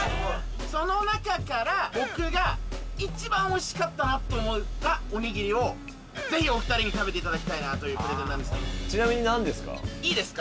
その中から僕が一番おいしかったと思ったおにぎりをぜひお二人に食べていただきたいというプレゼンなんですいいですか？